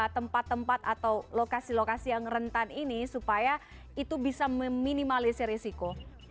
tempat tempat atau lokasi lokasi yang rentan ini supaya itu bisa meminimalisir risiko